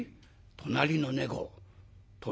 「隣の猫！？」。